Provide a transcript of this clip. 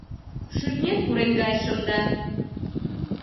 Шӱртнен пуреҥгайышым да.